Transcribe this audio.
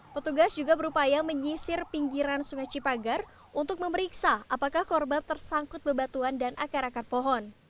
petugas juga berupaya menyisir pinggiran sungai cipagar untuk memeriksa apakah korban tersangkut bebatuan dan akar akar pohon